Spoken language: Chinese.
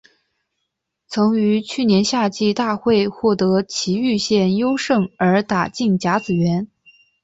曾于去年夏季大会获得崎玉县优胜而打进甲子园。